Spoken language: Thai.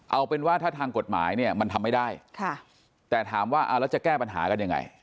เอาเป็นว่าถ้าทางกฎหมายเนี่ยมันทำไม่ได้แต่ถามว่าเอาแล้วจะแก้ปัญหากันยังไง